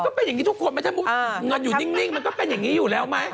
มันก็เป็นอย่างนี้ทุกคนมันก็เป็นอย่างนี้อยู่แล้วไหม